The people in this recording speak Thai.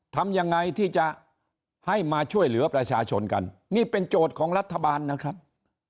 ทำยังไงที่จะให้มาช่วยเหลือประชาชนกันนี่เป็นโจทย์ของรัฐบาลนะครับ